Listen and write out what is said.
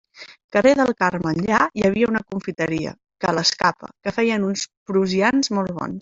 Carrer del Carme enllà hi havia una confiteria, ca l'Escapa, que feien uns prussians molt bons.